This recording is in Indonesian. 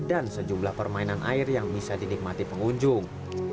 dan sejumlah permainan air yang bisa dinikmati pengunjung